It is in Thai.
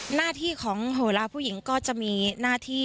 หน้าที่ของโหลาผู้หญิงก็จะมีหน้าที่